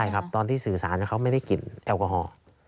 ใช่ครับตอนที่สื่อสารเขาไม่ได้กลิ่นแอลกอฮอล์